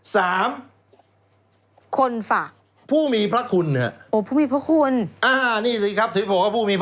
สาม